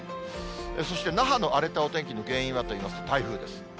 そして那覇の荒れたお天気の原因はといいますと、台風です。